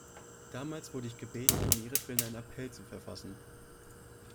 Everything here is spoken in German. Damals wurde ich gebeten, um ihretwillen einen Appell zu verfassen.